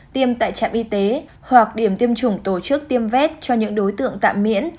tiêm tại trạm y tế hoặc điểm tiêm chủng tổ chức tiêm vét cho những đối tượng tạm miễn